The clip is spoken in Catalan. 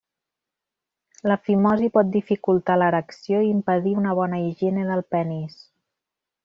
La fimosi pot dificultar l'erecció i impedir una bona higiene del penis.